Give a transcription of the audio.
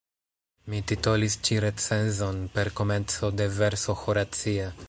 Mi titolis ĉi recenzon per komenco de verso horacia.